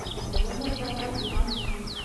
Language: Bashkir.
Оло мырҙала иман юҡ.